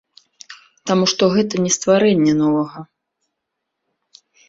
Таму што гэта не стварэнне новага.